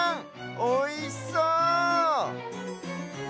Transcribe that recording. おいしそう！